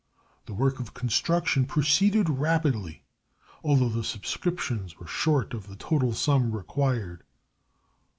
The work of construction proceeded rapidly, although the subscriptions were short of the total sum required.